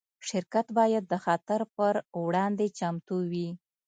شرکت باید د خطر پر وړاندې چمتو وي.